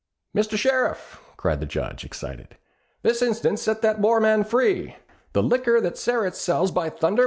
"Mr. Sheriff," cried the Judge, excited, "This instant set that poor man free! The liquor that Sterret sells, by thunder!